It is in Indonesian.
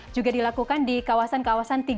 juga dilakukan di kawasan kawasan